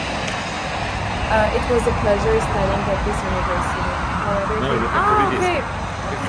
However, things don't go as planned at the ball.